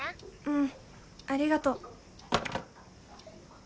うんありがと。